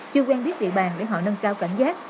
chưa quen biết địa bàn để họ nâng cao cảnh giác